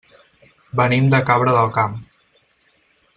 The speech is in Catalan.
Venim de Cabra del Camp.